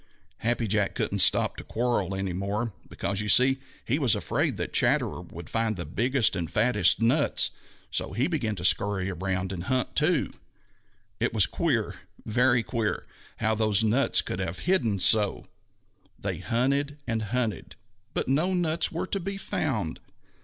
Happy Jack couldn't stop to quarrel any more, because you see he was afraid that Chatterer would find the biggest and fattest nuts, so he began to scurry around and hunt too. It was queer, very queer, how those nuts could have hidden so! They hunted and hunted, but no nuts were to be found.